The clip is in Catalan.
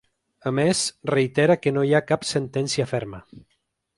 A més, reitera que no hi ha cap sentència ferma.